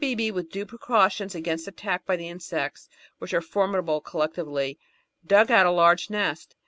Beebe, with due precautions against attack by the insects, which are formidable collectively, dug out a large nest.